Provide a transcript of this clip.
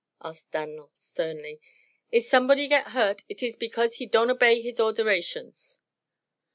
asked Dan'l, sternly. "If somebody gets hurt, it iss because he don'd obey de orderations."